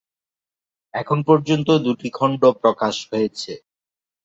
এখনও পর্যন্ত দুটি খন্ড প্রকাশ হয়েছে।